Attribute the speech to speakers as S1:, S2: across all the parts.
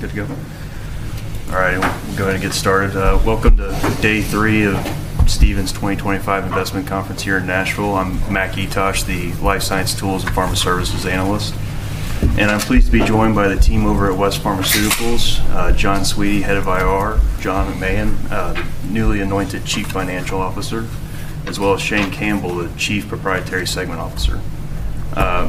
S1: Good to go. All right, we're going to get started. Welcome to day three of Stephens 2025 investment conference here in Nashville. I'm Mac Etosh, the Life Science Tools and Pharma Services Analyst, and I'm pleased to be joined by the team over at West Pharmaceutical Services: John Sweeney, Head of IR; Bob McMahon, newly anointed Chief Financial Officer; as well as Shane Campbell, the Chief Proprietary Segment Officer.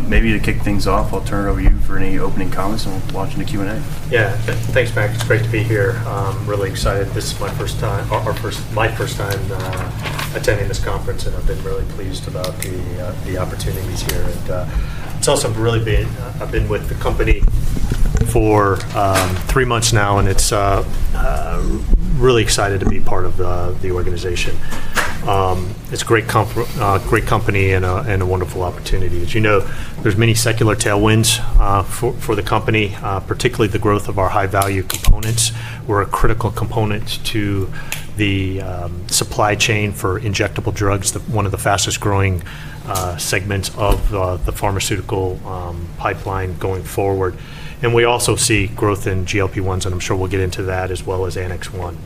S1: Maybe to kick things off, I'll turn it over to you for any opening comments and we'll launch into Q&A.
S2: Yeah, thanks, Mac. It's great to be here. I'm really excited. This is my first time, my first time attending this conference, and I've been really pleased about the opportunities here. It's also really been—I've been with the company for three months now, and it's really exciting to be part of the organization. It's a great company and a wonderful opportunity. As you know, there's many secular tailwinds for the company, particularly the growth of our high-value components. We're a critical component to the supply chain for injectable drugs, one of the fastest-growing segments of the pharmaceutical pipeline going forward. We also see growth in GLP-1s, and I'm sure we'll get into that, as well as Annex 1.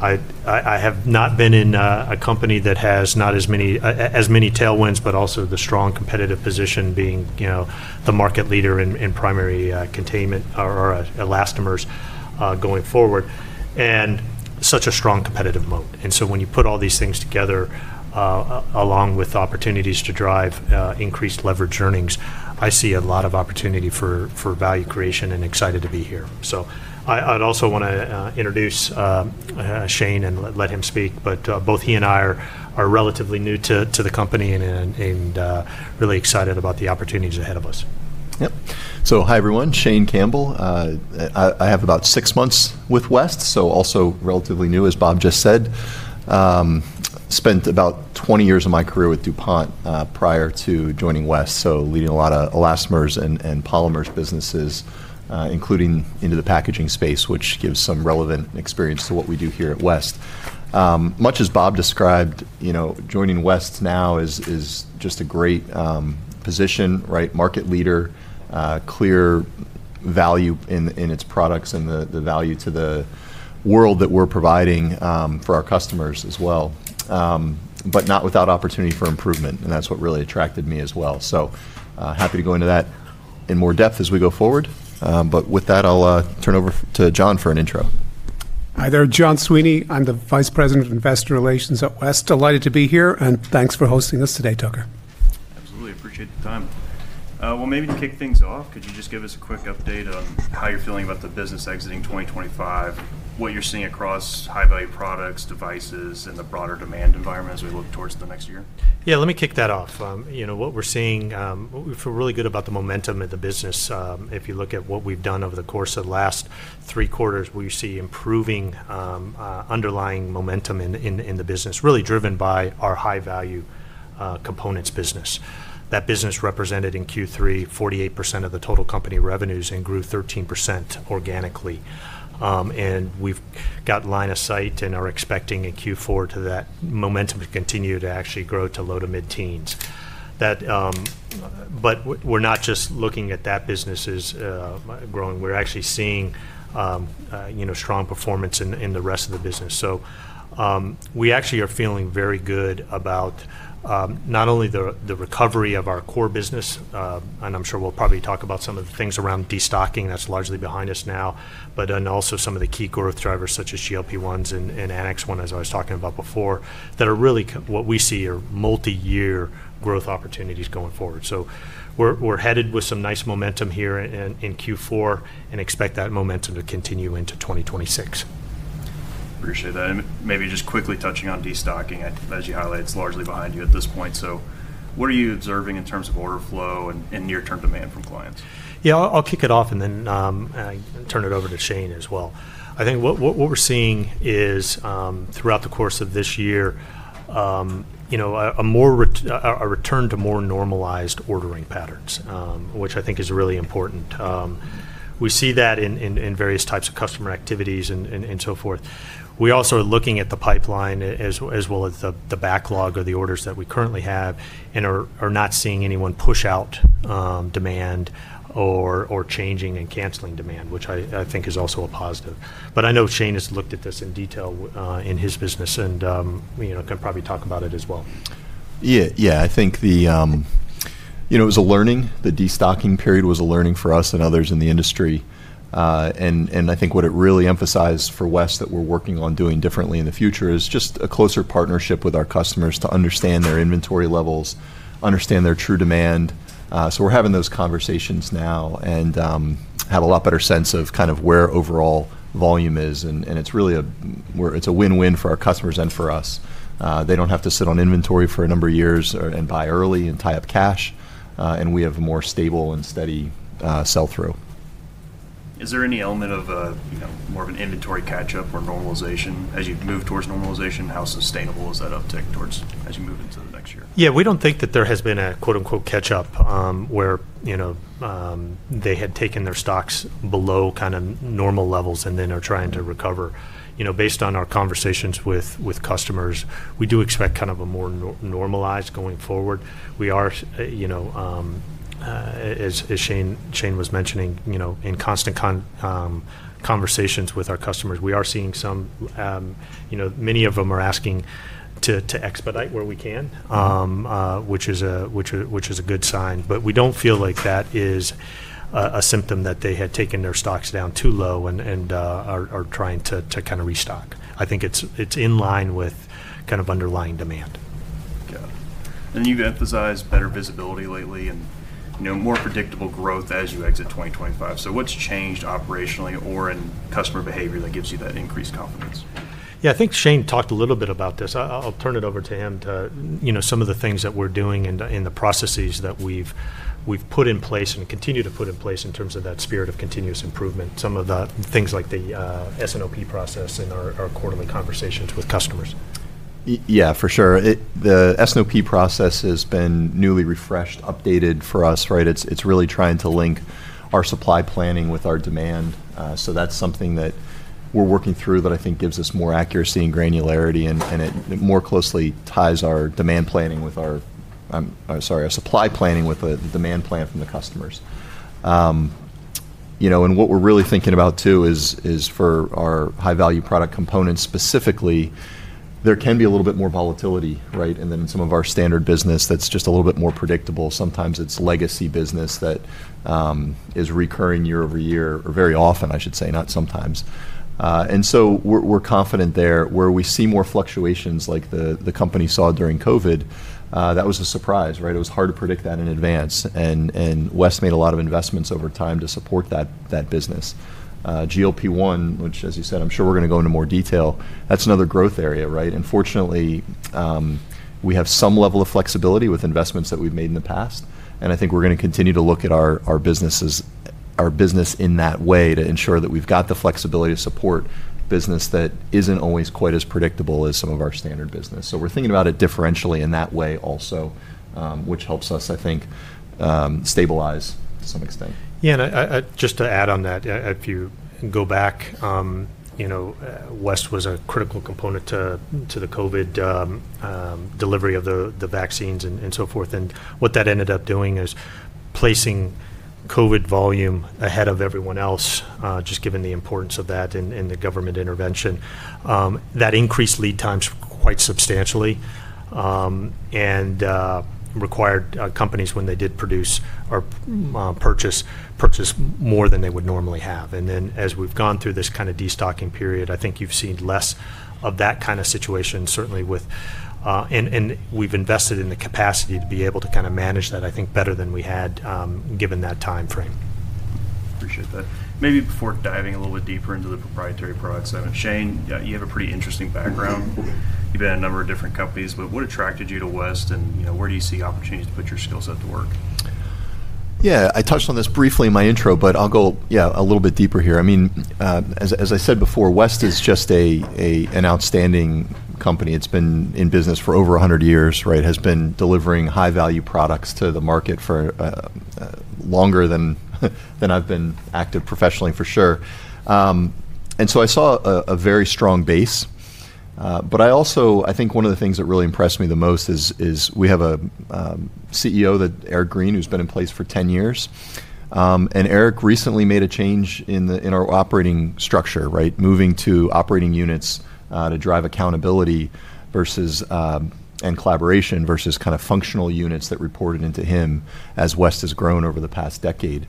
S2: I have not been in a company that has not as many tailwinds, but also the strong competitive position being the market leader in primary containment or elastomers going forward, and such a strong competitive moat. When you put all these things together, along with opportunities to drive increased leverage earnings, I see a lot of opportunity for value creation and excited to be here. I also want to introduce Shane and let him speak, but both he and I are relatively new to the company and really excited about the opportunities ahead of us.
S3: Yep. Hi everyone, Shane Campbell. I have about six months with West, so also relatively new, as Bob just said. Spent about 20 years of my career with DuPont prior to joining West, so leading a lot of elastomers and polymers businesses, including into the packaging space, which gives some relevant experience to what we do here at West. Much as Bob described, joining West now is just a great position, right? Market leader, clear value in its products and the value to the world that we're providing for our customers as well, but not without opportunity for improvement, and that's what really attracted me as well. Happy to go into that in more depth as we go forward. With that, I'll turn it over to John for an intro.
S4: Hi there, John Sweeney. I'm the Vice President of Investor Relations at West. Delighted to be here, and thanks for hosting us today, Tucker.
S1: Absolutely. Appreciate the time. Maybe to kick things off, could you just give us a quick update on how you're feeling about the business exiting 2025, what you're seeing across high-value products, devices, and the broader demand environment as we look towards the next year?
S2: Yeah, let me kick that off. You know, what we're seeing—we're really good about the momentum in the business. If you look at what we've done over the course of the last three quarters, we see improving underlying momentum in the business, really driven by our high-value components business. That business represented in Q3 48% of the total company revenues and grew 13% organically. We've got line of sight and are expecting in Q4 that momentum to continue to actually grow to low to mid-teens. We're not just looking at that business as growing. We're actually seeing strong performance in the rest of the business. We actually are feeling very good about not only the recovery of our core business, and I'm sure we'll probably talk about some of the things around destocking that's largely behind us now, but also some of the key growth drivers such as GLP-1s and Annex 1, as I was talking about before, that are really what we see are multi-year growth opportunities going forward. We're headed with some nice momentum here in Q4 and expect that momentum to continue into 2026.
S1: Appreciate that. Maybe just quickly touching on destocking, as you highlight, it's largely behind you at this point. What are you observing in terms of order flow and near-term demand from clients?
S2: Yeah, I'll kick it off and then turn it over to Shane as well. I think what we're seeing is throughout the course of this year, you know, a return to more normalized ordering patterns, which I think is really important. We see that in various types of customer activities and so forth. We also are looking at the pipeline as well as the backlog of the orders that we currently have and are not seeing anyone push out demand or changing and canceling demand, which I think is also a positive. I know Shane has looked at this in detail in his business and can probably talk about it as well.
S3: Yeah, yeah. I think the, you know, it was a learning. The destocking period was a learning for us and others in the industry. I think what it really emphasized for West that we're working on doing differently in the future is just a closer partnership with our customers to understand their inventory levels, understand their true demand. We're having those conversations now and have a lot better sense of kind of where overall volume is. It's really a win-win for our customers and for us. They don't have to sit on inventory for a number of years and buy early and tie up cash, and we have a more stable and steady sell-through.
S1: Is there any element of more of an inventory catch-up or normalization as you move towards normalization? How sustainable is that uptick towards as you move into the next year?
S2: Yeah, we do not think that there has been a "catch-up" where, you know, they had taken their stocks below kind of normal levels and then are trying to recover. You know, based on our conversations with customers, we do expect kind of a more normalized going forward. We are, you know, as Shane was mentioning, you know, in constant conversations with our customers, we are seeing some—you know, many of them are asking to expedite where we can, which is a good sign. We do not feel like that is a symptom that they had taken their stocks down too low and are trying to kind of restock. I think it is in line with kind of underlying demand.
S1: Got it. You have emphasized better visibility lately and more predictable growth as you exit 2025. What has changed operationally or in customer behavior that gives you that increased confidence?
S2: Yeah, I think Shane talked a little bit about this. I'll turn it over to him to, you know, some of the things that we're doing and the processes that we've put in place and continue to put in place in terms of that spirit of continuous improvement, some of the things like the S&OP process and our quarterly conversations with customers.
S3: Yeah, for sure. The S&OP process has been newly refreshed, updated for us, right? It's really trying to link our supply planning with our demand. That's something that we're working through that I think gives us more accuracy and granularity, and it more closely ties our demand planning with our—I'm sorry, our supply planning with the demand plan from the customers. You know, and what we're really thinking about too is for our high-value product components specifically, there can be a little bit more volatility, right? Then some of our standard business that's just a little bit more predictable. Sometimes it's legacy business that is recurring year-over-year, or very often, I should say, not sometimes. We're confident there. Where we see more fluctuations like the company saw during COVID, that was a surprise, right? It was hard to predict that in advance. West made a lot of investments over time to support that business. GLP-1, which, as you said, I'm sure we're going to go into more detail, that's another growth area, right? Fortunately, we have some level of flexibility with investments that we've made in the past. I think we're going to continue to look at our business in that way to ensure that we've got the flexibility to support business that isn't always quite as predictable as some of our standard business. We're thinking about it differentially in that way also, which helps us, I think, stabilize to some extent.
S2: Yeah, and just to add on that, if you go back, you know, West was a critical component to the COVID delivery of the vaccines and so forth. What that ended up doing is placing COVID volume ahead of everyone else, just given the importance of that and the government intervention. That increased lead times quite substantially and required companies, when they did produce or purchase, to purchase more than they would normally have. As we've gone through this kind of destocking period, I think you've seen less of that kind of situation, certainly with—and we've invested in the capacity to be able to kind of manage that, I think, better than we had given that timeframe.
S1: Appreciate that. Maybe before diving a little bit deeper into the proprietary products, Shane, you have a pretty interesting background. You've been in a number of different companies, but what attracted you to West and where do you see opportunities to put your skills at to work?
S3: Yeah, I touched on this briefly in my intro, but I'll go, yeah, a little bit deeper here. I mean, as I said before, West is just an outstanding company. It's been in business for over 100 years, right? Has been delivering high-value products to the market for longer than I've been active professionally, for sure. I saw a very strong base. I also, I think one of the things that really impressed me the most is we have a CEO, Eric Green, who's been in place for 10 years. Eric recently made a change in our operating structure, right? Moving to operating units to drive accountability and collaboration versus kind of functional units that reported into him as West has grown over the past decade.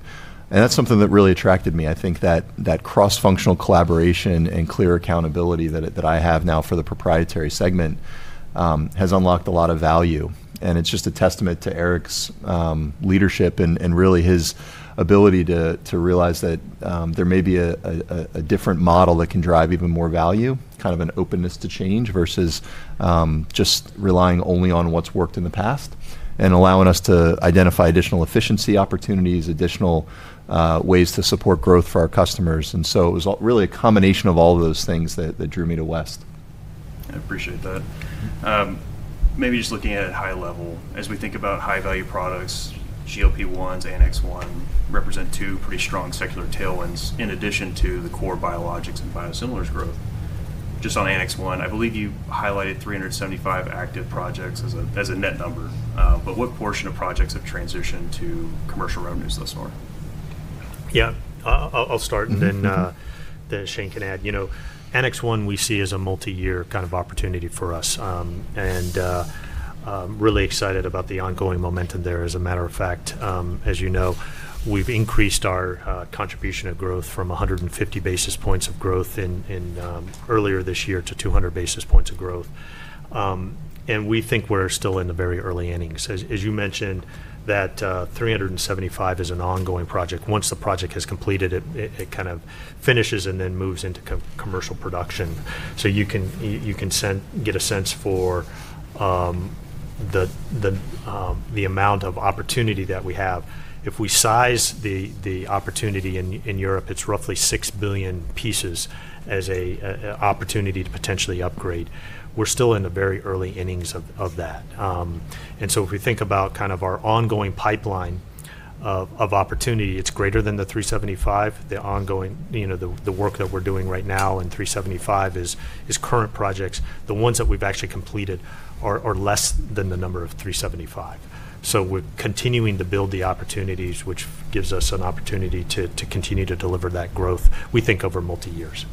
S3: That's something that really attracted me. I think that cross-functional collaboration and clear accountability that I have now for the proprietary segment has unlocked a lot of value. It is just a testament to Eric's leadership and really his ability to realize that there may be a different model that can drive even more value, kind of an openness to change versus just relying only on what's worked in the past and allowing us to identify additional efficiency opportunities, additional ways to support growth for our customers. It was really a combination of all those things that drew me to West.
S1: I appreciate that. Maybe just looking at a high level, as we think about high-value products, GLP-1s, Annex 1 represent two pretty strong secular tailwinds in addition to the core biologics and biosimilars growth. Just on Annex 1, I believe you highlighted 375 active projects as a net number. But what portion of projects have transitioned to commercial revenues thus far?
S2: Yeah, I'll start and then Shane can add. You know, Annex 1 we see as a multi-year kind of opportunity for us and really excited about the ongoing momentum there. As a matter of fact, as you know, we've increased our contribution of growth from 150 basis points of growth earlier this year to 200 basis points of growth. We think we're still in the very early innings. As you mentioned, that 375 is an ongoing project. Once the project has completed, it kind of finishes and then moves into commercial production. You can get a sense for the amount of opportunity that we have. If we size the opportunity in Europe, it's roughly 6 billion pieces as an opportunity to potentially upgrade. We're still in the very early innings of that. If we think about kind of our ongoing pipeline of opportunity, it's greater than the 375. The ongoing, you know, the work that we're doing right now in 375 is current projects. The ones that we've actually completed are less than the number of 375. We are continuing to build the opportunities, which gives us an opportunity to continue to deliver that growth, we think, over multi-years.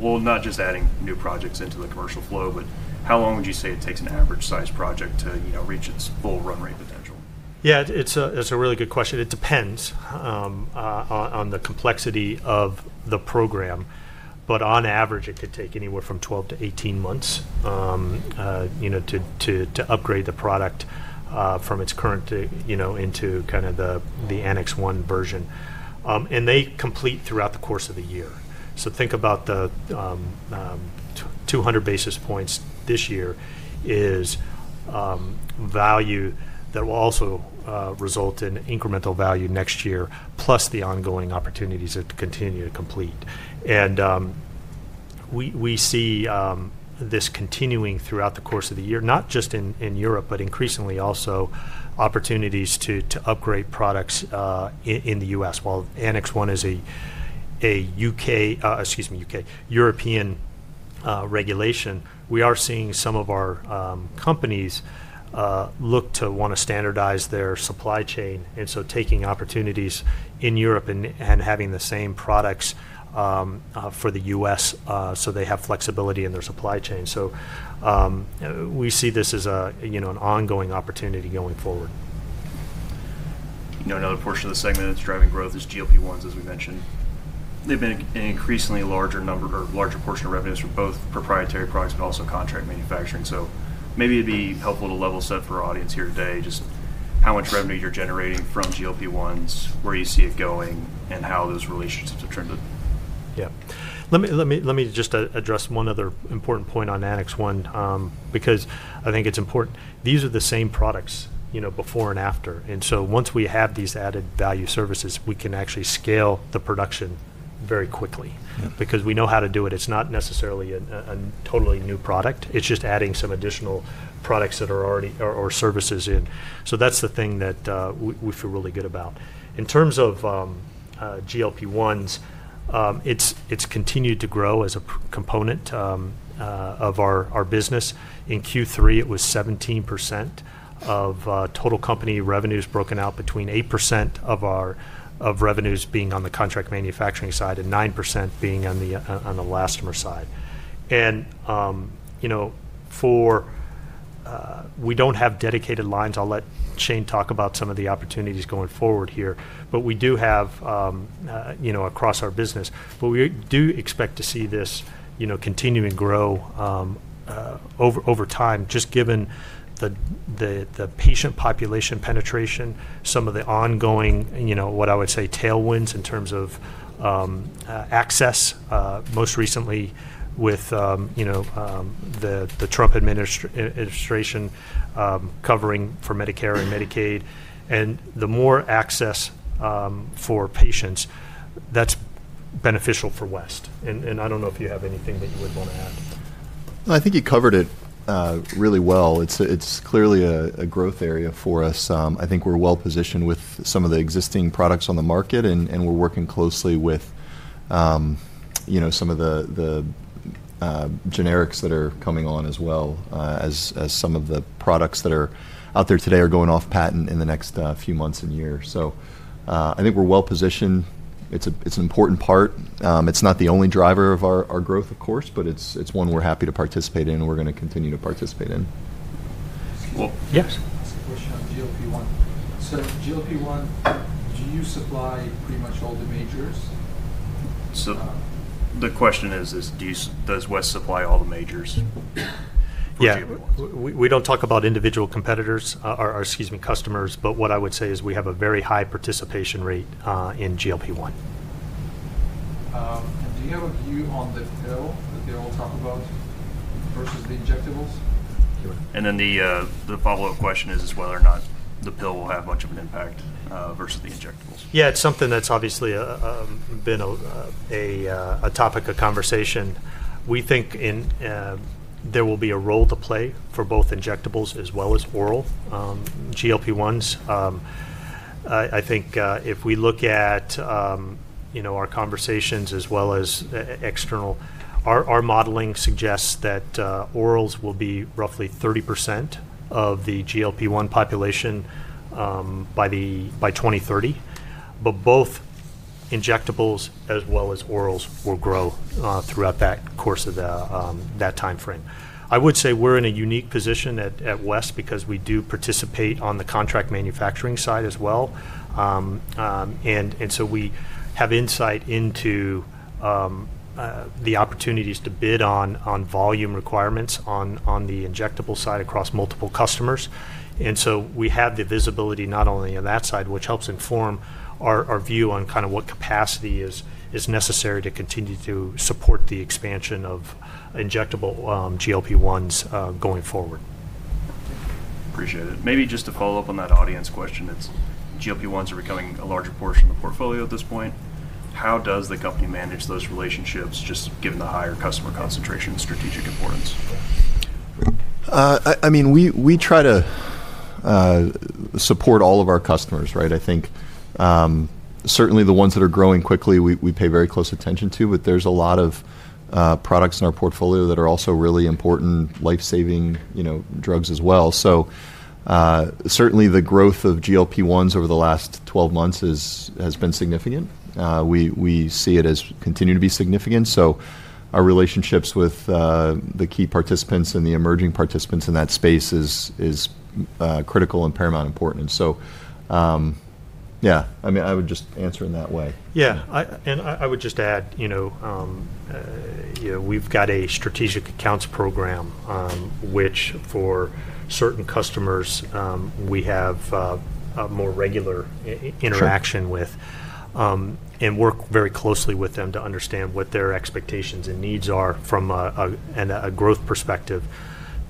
S1: Not just adding new projects into the commercial flow, but how long would you say it takes an average-sized project to reach its full run-rate potential?
S2: Yeah, it's a really good question. It depends on the complexity of the program. But on average, it could take anywhere from 12 to 18 months, you know, to upgrade the product from its current, you know, into kind of the Annex 1 version. They complete throughout the course of the year. Think about the 200 basis points this year as value that will also result in incremental value next year, plus the ongoing opportunities that continue to complete. We see this continuing throughout the course of the year, not just in Europe, but increasingly also opportunities to upgrade products in the U.S. While Annex 1 is a U.K., excuse me, U.K., European regulation, we are seeing some of our companies look to want to standardize their supply chain. Taking opportunities in Europe and having the same products for the U.S. They have flexibility in their supply chain. We see this as an ongoing opportunity going forward.
S1: You know, another portion of the segment that's driving growth is GLP-1s, as we mentioned. They've been an increasingly larger number or larger portion of revenues for both proprietary products, but also contract manufacturing. Maybe it'd be helpful to level set for our audience here today just how much revenue you're generating from GLP-1s, where you see it going, and how those relationships have turned out.
S2: Yeah. Let me just address one other important point on Annex 1, because I think it's important. These are the same products, you know, before and after. Once we have these added value services, we can actually scale the production very quickly because we know how to do it. It's not necessarily a totally new product. It's just adding some additional products that are already or services in. That's the thing that we feel really good about. In terms of GLP-1s, it's continued to grow as a component of our business. In Q3, it was 17% of total company revenues broken out between 8% of our revenues being on the contract manufacturing side and 9% being on the elastomer side. You know, we don't have dedicated lines. I'll let Shane talk about some of the opportunities going forward here. We do have, you know, across our business. We do expect to see this, you know, continue and grow over time, just given the patient population penetration, some of the ongoing, you know, what I would say tailwinds in terms of access, most recently with, you know, the Trump administration covering for Medicare and Medicaid. The more access for patients, that's beneficial for West. I don't know if you have anything that you would want to add.
S3: I think you covered it really well. It's clearly a growth area for us. I think we're well positioned with some of the existing products on the market, and we're working closely with, you know, some of the generics that are coming on as well, as some of the products that are out there today are going off patent in the next few months and years. I think we're well positioned. It's an important part. It's not the only driver of our growth, of course, but it's one we're happy to participate in and we're going to continue to participate in.
S1: Well, yes. That's a question on GLP-1. GLP-1, do you supply pretty much all the majors? The question is, does West supply all the majors?
S2: Yeah. We do not talk about individual competitors or, excuse me, customers. What I would say is we have a very high participation rate in GLP-1. Do you have a view on the pill that they all talk about versus the injectables?
S1: The follow-up question is whether or not the pill will have much of an impact versus the injectables.
S2: Yeah, it's something that's obviously been a topic of conversation. We think there will be a role to play for both injectables as well as oral GLP-1s. I think if we look at, you know, our conversations as well as external, our modeling suggests that orals will be roughly 30% of the GLP-1 population by 2030. Both injectables as well as orals will grow throughout that course of that timeframe. I would say we're in a unique position at West because we do participate on the contract manufacturing side as well. We have insight into the opportunities to bid on volume requirements on the injectable side across multiple customers. We have the visibility not only on that side, which helps inform our view on kind of what capacity is necessary to continue to support the expansion of injectable GLP-1s going forward.
S1: Appreciate it. Maybe just to follow up on that audience question, it's GLP-1s are becoming a larger portion of the portfolio at this point. How does the company manage those relationships, just given the higher customer concentration and strategic importance?
S3: I mean, we try to support all of our customers, right? I think certainly the ones that are growing quickly, we pay very close attention to. There are a lot of products in our portfolio that are also really important life-saving, you know, drugs as well. Certainly the growth of GLP-1s over the last 12 months has been significant. We see it as continuing to be significant. Our relationships with the key participants and the emerging participants in that space is critical and paramount important. Yeah, I mean, I would just answer in that way.
S2: Yeah. I would just add, you know, we've got a strategic accounts program, which for certain customers, we have more regular interaction with and work very closely with them to understand what their expectations and needs are from a growth perspective.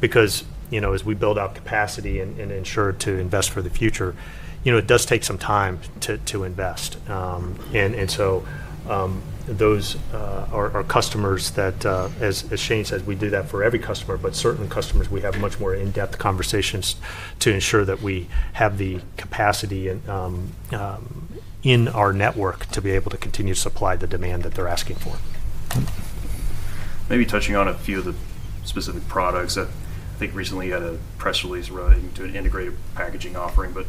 S2: Because, you know, as we build out capacity and ensure to invest for the future, you know, it does take some time to invest. Those are customers that, as Shane says, we do that for every customer. Certain customers, we have much more in-depth conversations to ensure that we have the capacity in our network to be able to continue to supply the demand that they're asking for.
S1: Maybe touching on a few of the specific products that I think recently had a press release running to an integrated packaging offering, but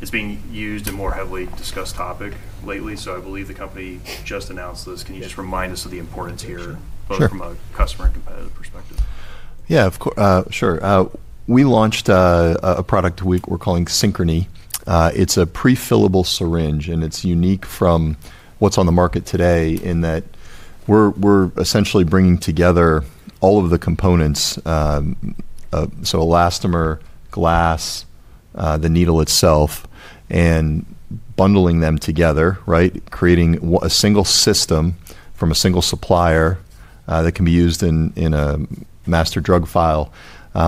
S1: it's being used a more heavily discussed topic lately. I believe the company just announced this. Can you just remind us of the importance here, both from a customer and competitive perspective?
S3: Yeah, sure. We launched a product we're calling Synchrony. It's a prefillable syringe, and it's unique from what's on the market today in that we're essentially bringing together all of the components, so elastomer, glass, the needle itself, and bundling them together, right? Creating a single system from a single supplier that can be used in a master drug file,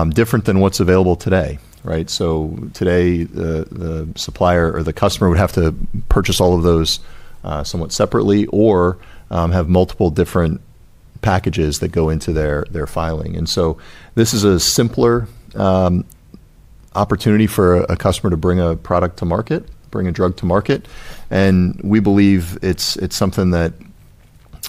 S3: different than what's available today, right? Today, the supplier or the customer would have to purchase all of those somewhat separately or have multiple different packages that go into their filing. This is a simpler opportunity for a customer to bring a product to market, bring a drug to market. We believe it's something that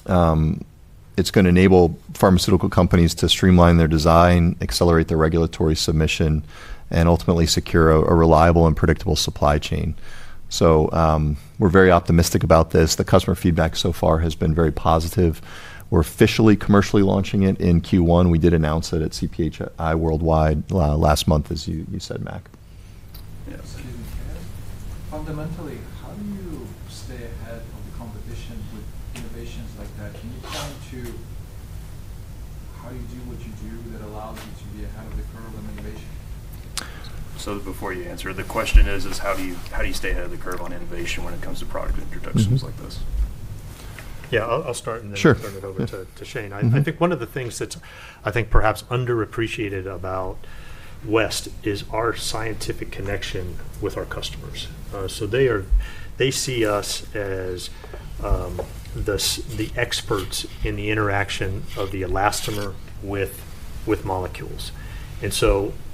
S3: it's going to enable pharmaceutical companies to streamline their design, accelerate their regulatory submission, and ultimately secure a reliable and predictable supply chain. We're very optimistic about this. The customer feedback so far has been very positive. We're officially commercially launching it in Q1. We did announce it at CPHI Worldwide last month, as you said, Mac. Yeah. Fundamentally, how do you stay ahead of the competition with innovations like that? Can you find to how do you do what you do that allows you to be ahead of the curve on innovation?
S1: Before you answer, the question is, how do you stay ahead of the curve on innovation when it comes to product introductions like this?
S2: Yeah, I'll start and then turn it over to Shane. I think one of the things that's I think perhaps underappreciated about West is our scientific connection with our customers. They see us as the experts in the interaction of the elastomer with molecules.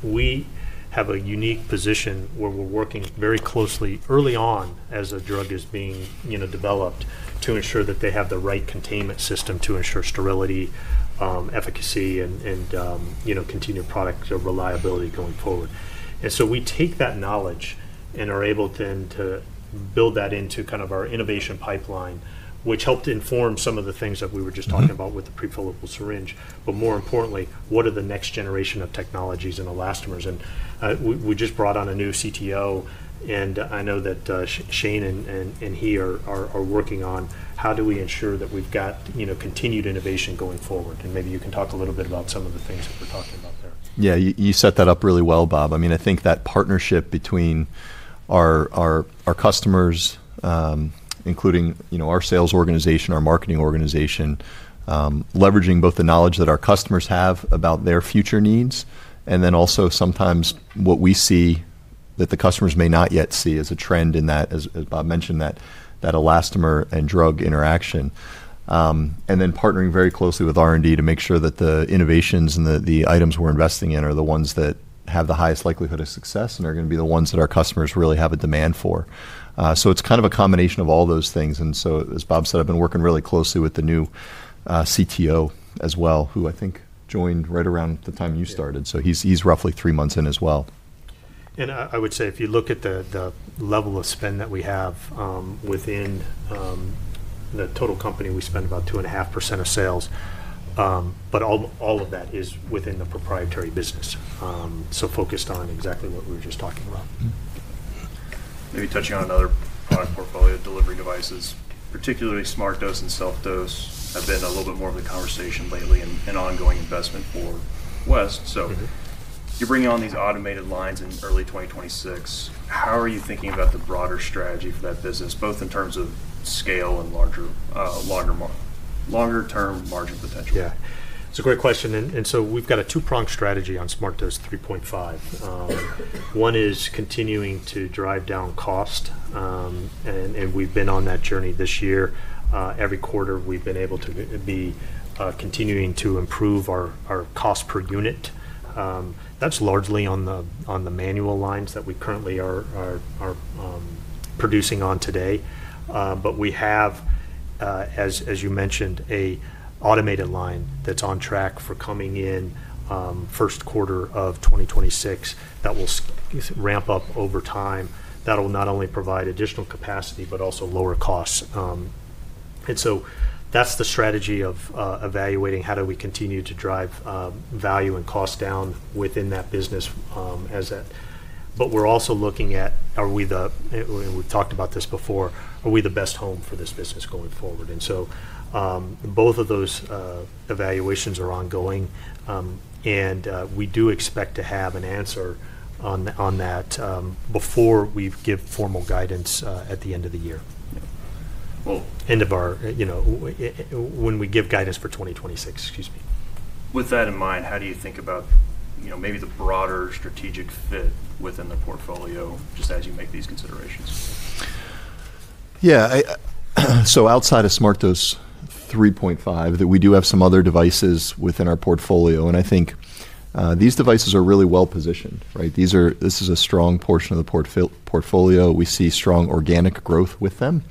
S2: We have a unique position where we're working very closely early on as a drug is being developed to ensure that they have the right containment system to ensure sterility, efficacy, and, you know, continued product reliability going forward. We take that knowledge and are able then to build that into kind of our innovation pipeline, which helped inform some of the things that we were just talking about with the prefillable syringe. More importantly, what are the next generation of technologies and elastomers? We just brought on a new CTO, and I know that Shane and he are working on how do we ensure that we've got, you know, continued innovation going forward. Maybe you can talk a little bit about some of the things that we're talking about there.
S3: Yeah, you set that up really well, Bob. I mean, I think that partnership between our customers, including, you know, our sales organization, our marketing organization, leveraging both the knowledge that our customers have about their future needs, and then also sometimes what we see that the customers may not yet see as a trend in that, as Bob mentioned, that elastomer and drug interaction. Partnering very closely with R&D to make sure that the innovations and the items we're investing in are the ones that have the highest likelihood of success and are going to be the ones that our customers really have a demand for. It is kind of a combination of all those things. As Bob said, I've been working really closely with the new CTO as well, who I think joined right around the time you started. He is roughly three months in as well.
S2: I would say if you look at the level of spend that we have within the total company, we spend about 2.5% of sales. All of that is within the proprietary business, so focused on exactly what we were just talking about.
S1: Maybe touching on another product portfolio, delivery devices, particularly SmartDose and SelfDose, have been a little bit more of the conversation lately and ongoing investment for West. You are bringing on these automated lines in early 2026. How are you thinking about the broader strategy for that business, both in terms of scale and longer-term margin potential?
S2: Yeah. It's a great question. We have a two-pronged strategy on Smart Dose 3.5. One is continuing to drive down cost. We've been on that journey this year. Every quarter, we've been able to continue to improve our cost per unit. That's largely on the manual lines that we currently are producing on today. We have, as you mentioned, an automated line that's on track for coming in first quarter of 2026 that will ramp up over time. That will not only provide additional capacity, but also lower costs. That's the strategy of evaluating how we continue to drive value and cost down within that business. We're also looking at, are we the, and we've talked about this before, are we the best home for this business going forward? Both of those evaluations are ongoing. We do expect to have an answer on that before we give formal guidance at the end of the year, end of our, you know, when we give guidance for 2026, excuse me.
S1: With that in mind, how do you think about, you know, maybe the broader strategic fit within the portfolio just as you make these considerations?
S3: Yeah. Outside of Smart Dose 3.5, we do have some other devices within our portfolio. I think these devices are really well positioned, right? This is a strong portion of the portfolio. We see strong organic growth with them,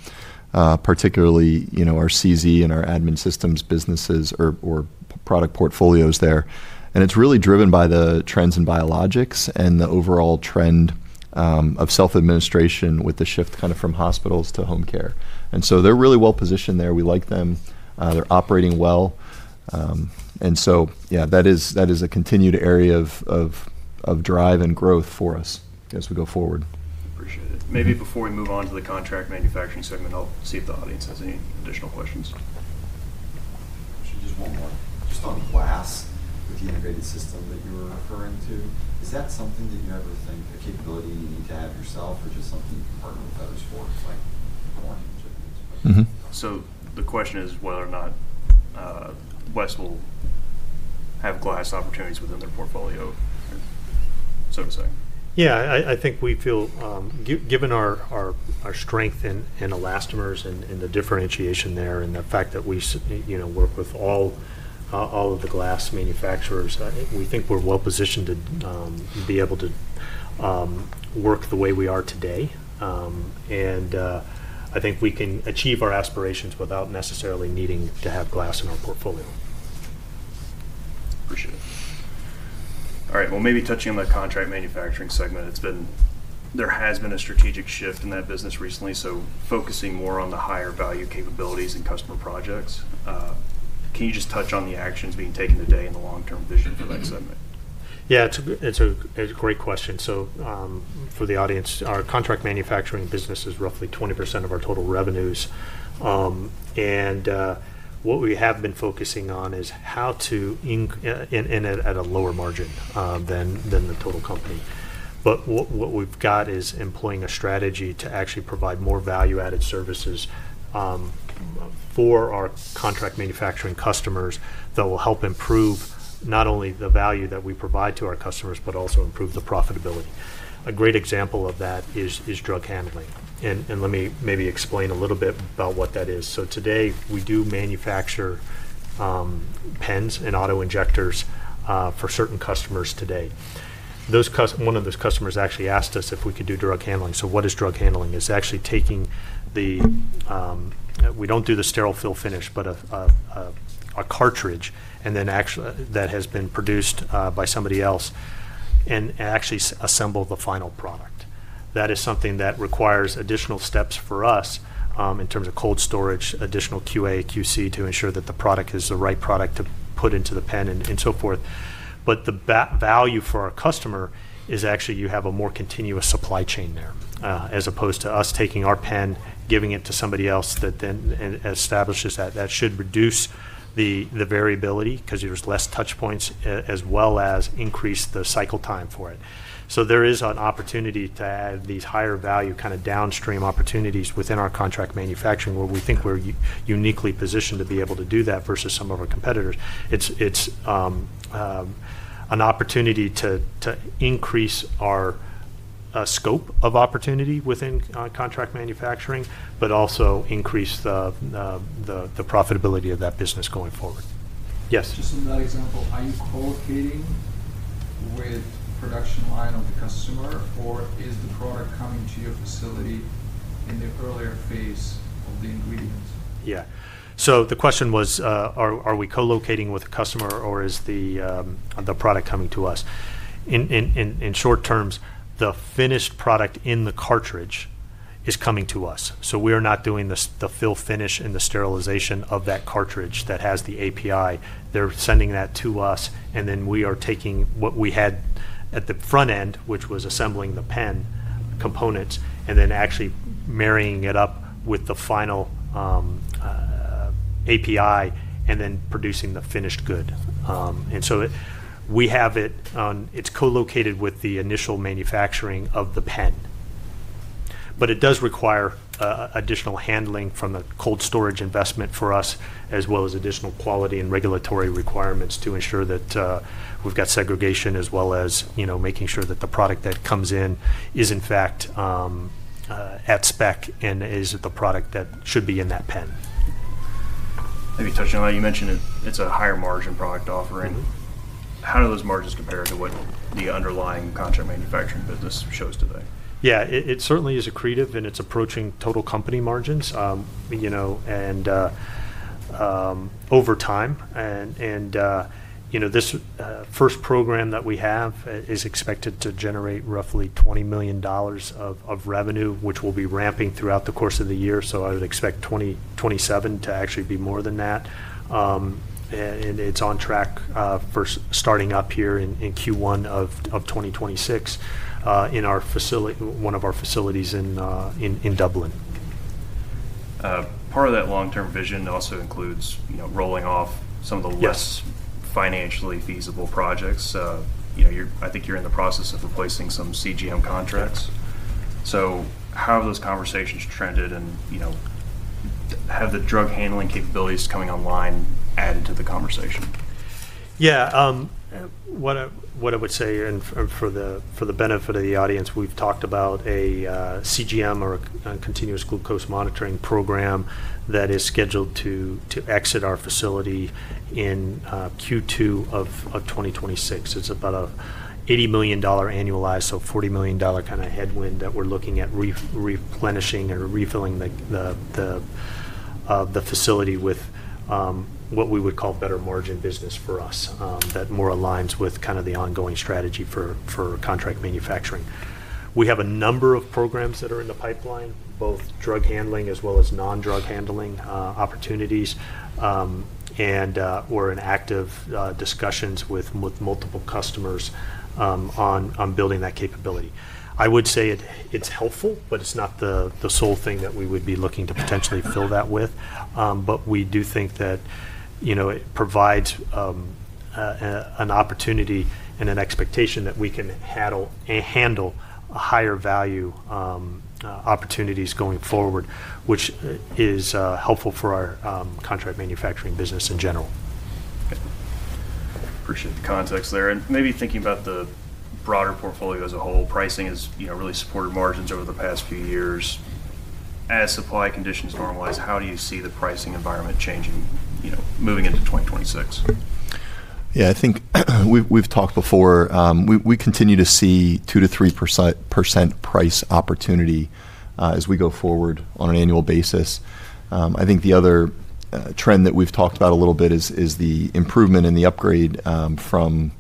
S3: particularly, you know, our CZ and our admin systems businesses or product portfolios there. It is really driven by the trends in biologics and the overall trend of self-administration with the shift kind of from hospitals to home care. They are really well positioned there. We like them. They are operating well. That is a continued area of drive and growth for us as we go forward.
S1: Appreciate it. Maybe before we move on to the contract manufacturing segment, I'll see if the audience has any additional questions. Just one more. Just on glass with the integrated system that you were referring to, is that something that you ever think a capability you need to have yourself or just something you can partner with others for, like warning certainly? The question is whether or not West will have glass opportunities within their portfolio, so to say.
S2: Yeah, I think we feel, given our strength in elastomers and the differentiation there and the fact that we, you know, work with all of the glass manufacturers, we think we're well positioned to be able to work the way we are today. I think we can achieve our aspirations without necessarily needing to have glass in our portfolio.
S1: Appreciate it. All right. Maybe touching on the contract manufacturing segment, there has been a strategic shift in that business recently, so focusing more on the higher value capabilities and customer projects. Can you just touch on the actions being taken today in the long-term vision for that segment?
S2: Yeah, it's a great question. For the audience, our contract manufacturing business is roughly 20% of our total revenues. What we have been focusing on is how to in at a lower margin than the total company. What we've got is employing a strategy to actually provide more value-added services for our contract manufacturing customers that will help improve not only the value that we provide to our customers, but also improve the profitability. A great example of that is drug handling. Let me maybe explain a little bit about what that is. Today, we do manufacture pens and auto injectors for certain customers today. One of those customers actually asked us if we could do drug handling. What is drug handling? It's actually taking the, we don't do the sterile fill finish, but a cartridge and then actually that has been produced by somebody else and actually assemble the final product. That is something that requires additional steps for us in terms of cold storage, additional QA, QC to ensure that the product is the right product to put into the pen and so forth. The value for our customer is actually you have a more continuous supply chain there as opposed to us taking our pen, giving it to somebody else that then establishes that. That should reduce the variability because there's less touch points as well as increase the cycle time for it. There is an opportunity to add these higher value kind of downstream opportunities within our contract manufacturing where we think we're uniquely positioned to be able to do that versus some of our competitors. It's an opportunity to increase our scope of opportunity within contract manufacturing, but also increase the profitability of that business going forward. Yes. Just another example, are you co-locating with production line of the customer or is the product coming to your facility in the earlier phase of the ingredients? Yeah. So the question was, are we co-locating with a customer or is the product coming to us? In short terms, the finished product in the cartridge is coming to us. We are not doing the fill finish and the sterilization of that cartridge that has the API. They're sending that to us, and then we are taking what we had at the front end, which was assembling the pen components, and then actually marrying it up with the final API and then producing the finished good. We have it, it's co-located with the initial manufacturing of the pen. It does require additional handling from the cold storage investment for us, as well as additional quality and regulatory requirements to ensure that we've got segregation as well as, you know, making sure that the product that comes in is in fact at spec and is the product that should be in that pen.
S1: Maybe touching on, you mentioned it's a higher margin product offering. How do those margins compare to what the underlying contract manufacturing business shows today?
S2: Yeah, it certainly is accretive and it's approaching total company margins, you know, and over time. You know, this first program that we have is expected to generate roughly $20 million of revenue, which will be ramping throughout the course of the year. I would expect 2027 to actually be more than that. It's on track for starting up here in Q1 of 2026 in our facility, one of our facilities in Dublin.
S1: Part of that long-term vision also includes, you know, rolling off some of the less financially feasible projects. You know, I think you're in the process of replacing some CGM contracts. How have those conversations trended and, you know, have the drug handling capabilities coming online added to the conversation?
S2: Yeah. What I would say for the benefit of the audience, we've talked about a CGM or continuous glucose monitoring program that is scheduled to exit our facility in Q2 of 2026. It's about an $80 million annualized, so $40 million kind of headwind that we're looking at replenishing and refilling the facility with what we would call better margin business for us that more aligns with kind of the ongoing strategy for contract manufacturing. We have a number of programs that are in the pipeline, both drug handling as well as non-drug handling opportunities. We are in active discussions with multiple customers on building that capability. I would say it's helpful, but it's not the sole thing that we would be looking to potentially fill that with. We do think that, you know, it provides an opportunity and an expectation that we can handle higher value opportunities going forward, which is helpful for our contract manufacturing business in general.
S1: Appreciate the context there. Maybe thinking about the broader portfolio as a whole, pricing has, you know, really supported margins over the past few years. As supply conditions normalize, how do you see the pricing environment changing, you know, moving into 2026?
S3: Yeah, I think we've talked before. We continue to see 2-3% price opportunity as we go forward on an annual basis. I think the other trend that we've talked about a little bit is the improvement in the upgrade from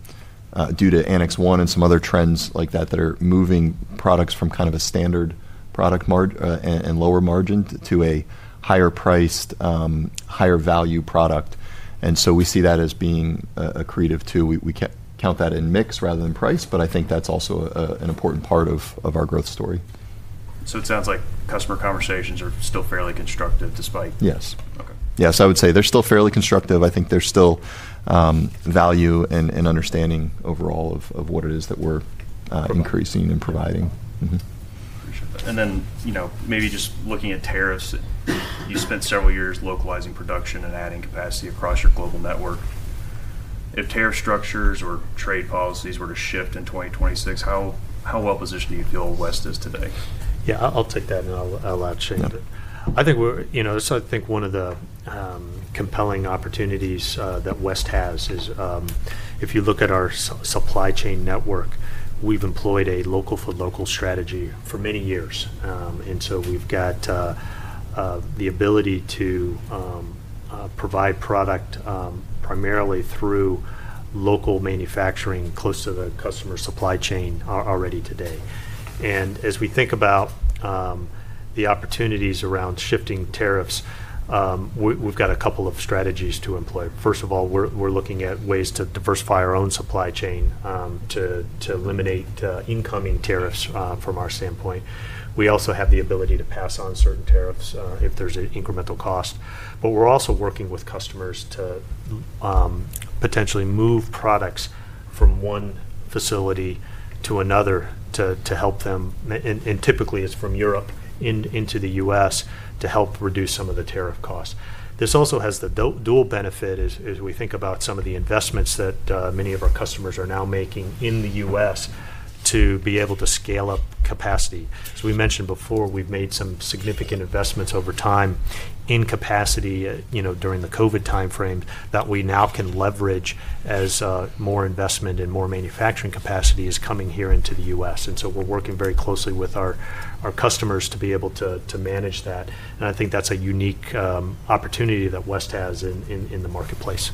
S3: due to Annex 1 and some other trends like that that are moving products from kind of a standard product and lower margin to a higher priced, higher value product. We see that as being accretive too. We count that in mix rather than price, but I think that's also an important part of our growth story.
S1: It sounds like customer conversations are still fairly constructive despite.
S3: Yes. Yes, I would say they're still fairly constructive. I think there's still value and understanding overall of what it is that we're increasing and providing.
S1: Appreciate that. You know, maybe just looking at tariffs, you spent several years localizing production and adding capacity across your global network. If tariff structures or trade policies were to shift in 2026, how well positioned do you feel West is today?
S2: Yeah, I'll take that and I'll add shade to it. I think we're, you know, so I think one of the compelling opportunities that West has is if you look at our supply chain network, we've employed a local for local strategy for many years. I think we've got the ability to provide product primarily through local manufacturing close to the customer supply chain already today. As we think about the opportunities around shifting tariffs, we've got a couple of strategies to employ. First of all, we're looking at ways to diversify our own supply chain to eliminate incoming tariffs from our standpoint. We also have the ability to pass on certain tariffs if there's an incremental cost. We're also working with customers to potentially move products from one facility to another to help them. Typically, it's from Europe into the U.S. to help reduce some of the tariff costs. This also has the dual benefit as we think about some of the investments that many of our customers are now making in the U.S. to be able to scale up capacity. As we mentioned before, we've made some significant investments over time in capacity, you know, during the COVID timeframe that we now can leverage as more investment and more manufacturing capacity is coming here into the U.S. We are working very closely with our customers to be able to manage that. I think that's a unique opportunity that West has in the marketplace.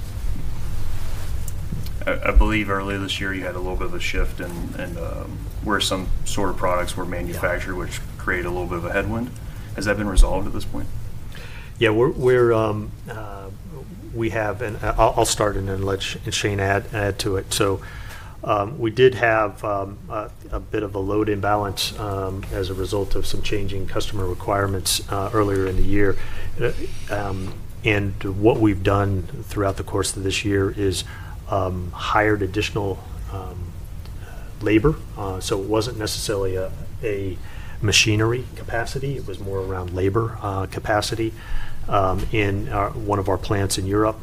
S1: I believe earlier this year you had a little bit of a shift in where some sort of products were manufactured, which created a little bit of a headwind. Has that been resolved at this point?
S2: Yeah, we have, and I'll start and then let Shane add to it. We did have a bit of a load imbalance as a result of some changing customer requirements earlier in the year. What we've done throughout the course of this year is hired additional labor. It wasn't necessarily a machinery capacity. It was more around labor capacity in one of our plants in Europe.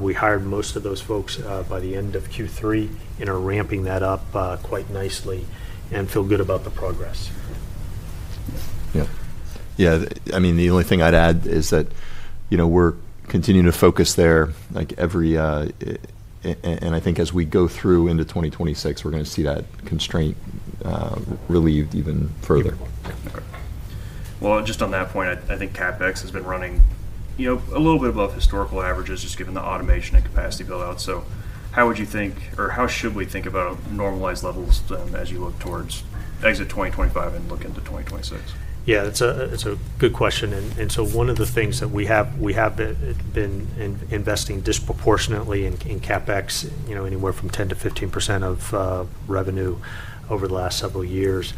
S2: We hired most of those folks by the end of Q3 and are ramping that up quite nicely and feel good about the progress.
S3: Yeah. Yeah, I mean, the only thing I'd add is that, you know, we're continuing to focus there like every, and I think as we go through into 2026, we're going to see that constraint relieved even further.
S1: Just on that point, I think CapEx has been running, you know, a little bit above historical averages just given the automation and capacity buildout. How would you think, or how should we think about normalized levels as you look towards exit 2025 and look into 2026?
S2: Yeah, it's a good question. One of the things that we have, we have been investing disproportionately in CapEx, you know, anywhere from 10-15% of revenue over the last several years.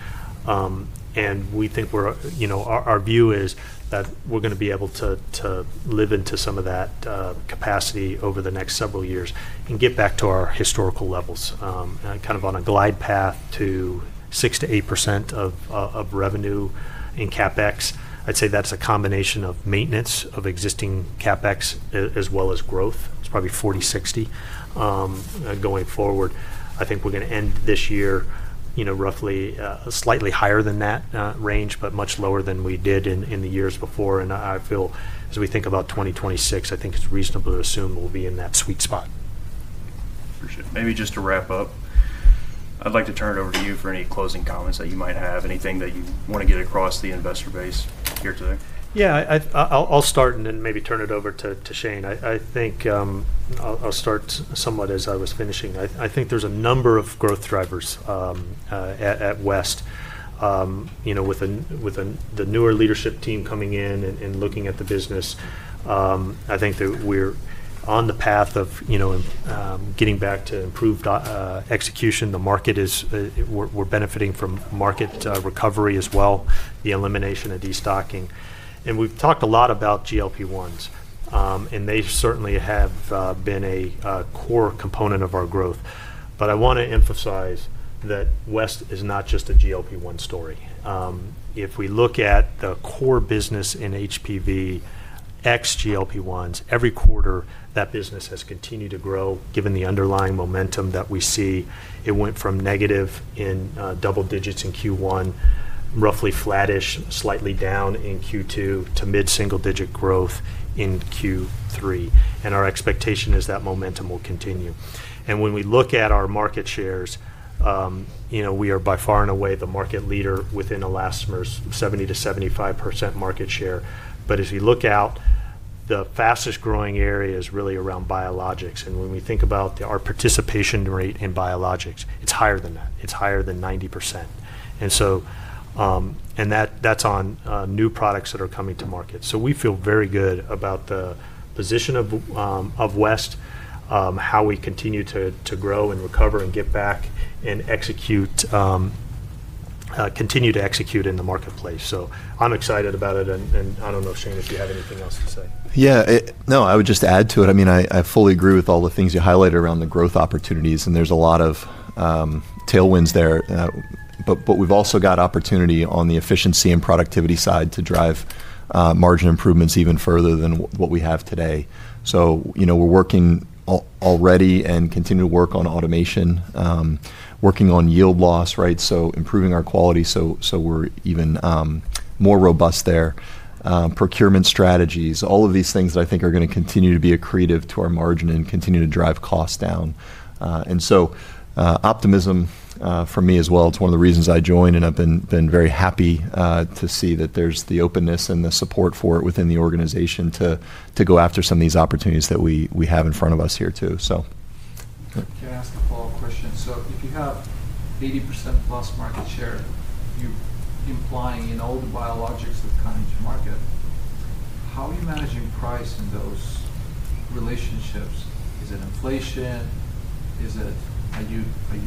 S2: We think we're, you know, our view is that we're going to be able to live into some of that capacity over the next several years and get back to our historical levels. Kind of on a glide path to 6-8% of revenue in CapEx, I'd say that's a combination of maintenance of existing CapEx as well as growth. It's probably 40, 60 going forward. I think we're going to end this year, you know, roughly slightly higher than that range, but much lower than we did in the years before. I feel as we think about 2026, I think it's reasonable to assume we'll be in that sweet spot.
S1: Appreciate it. Maybe just to wrap up, I'd like to turn it over to you for any closing comments that you might have, anything that you want to get across the investor base here today.
S2: Yeah, I'll start and then maybe turn it over to Shane. I think I'll start somewhat as I was finishing. I think there's a number of growth drivers at West, you know, with the newer leadership team coming in and looking at the business. I think that we're on the path of, you know, getting back to improved execution. The market is, we're benefiting from market recovery as well, the elimination of destocking. We've talked a lot about GLP-1s, and they certainly have been a core component of our growth. I want to emphasize that West is not just a GLP-1 story. If we look at the core business in HVP, ex-GLP-1s, every quarter that business has continued to grow given the underlying momentum that we see. It went from negative in double digits in Q1, roughly flattish, slightly down in Q2 to mid-single digit growth in Q3. Our expectation is that momentum will continue. When we look at our market shares, you know, we are by far and away the market leader within elastomers, 70-75% market share. If you look out, the fastest growing area is really around biologics. When we think about our participation rate in biologics, it is higher than that. It is higher than 90%. That is on new products that are coming to market. We feel very good about the position of West, how we continue to grow and recover and get back and execute, continue to execute in the marketplace. I am excited about it. I do not know, Shane, if you have anything else to say.
S3: Yeah. No, I would just add to it. I mean, I fully agree with all the things you highlighted around the growth opportunities, and there's a lot of tailwinds there. We have also got opportunity on the efficiency and productivity side to drive margin improvements even further than what we have today. You know, we're working already and continue to work on automation, working on yield loss, right? Improving our quality so we're even more robust there. Procurement strategies, all of these things that I think are going to continue to be accretive to our margin and continue to drive costs down. Optimism for me as well. It's one of the reasons I joined, and I've been very happy to see that there's the openness and the support for it within the organization to go after some of these opportunities that we have in front of us here too. Can I ask a follow-up question? If you have 80% plus market share, you're implying in all the biologics that come into market, how are you managing price in those relationships? Is it inflation? Are you trying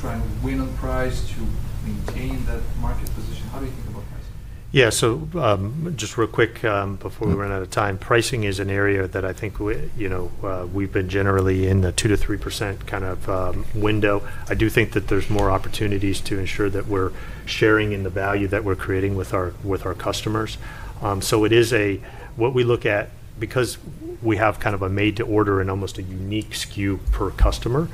S3: to win on price to maintain that market position? How do you think about pricing?
S2: Yeah, so just real quick before we run out of time, pricing is an area that I think, you know, we've been generally in the 2-3% kind of window. I do think that there's more opportunities to ensure that we're sharing in the value that we're creating with our customers. It is a, what we look at, because we have kind of a made-to-order and almost a unique SKU per customer,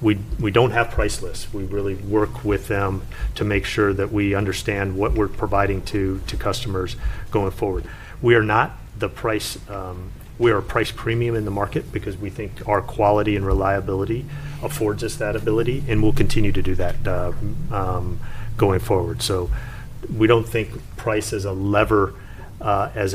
S2: we don't have price lists. We really work with them to make sure that we understand what we're providing to customers going forward. We are not the price, we are price premium in the market because we think our quality and reliability affords us that ability, and we'll continue to do that going forward. We do not think price as a lever, as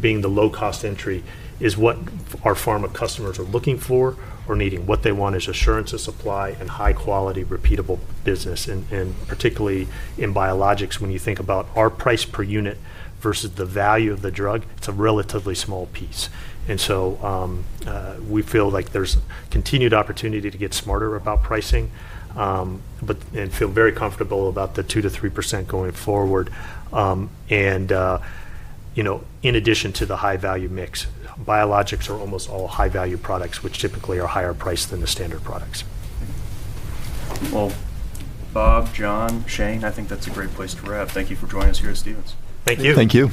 S2: being the low-cost entry, is what our pharma customers are looking for or needing. What they want is assurance of supply and high-quality, repeatable business. Particularly in biologics, when you think about our price per unit versus the value of the drug, it is a relatively small piece. We feel like there is continued opportunity to get smarter about pricing, and feel very comfortable about the 2-3% going forward. You know, in addition to the high-value mix, biologics are almost all high-value products, which typically are higher priced than the standard products.
S1: Bob, John, Shane, I think that's a great place to wrap. Thank you for joining us here at Stephens.
S4: Thank you.
S3: Thank you.